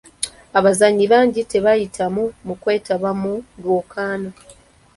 Abazannyi bangi tebaayitamu mu kwetaba mu lwokaano.